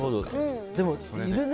でもいるね。